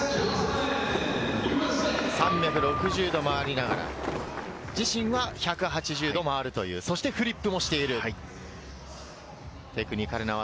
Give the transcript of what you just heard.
３６０度回りながら、自身は１８０度回るというそしてフリップもしている、テクニカルな技。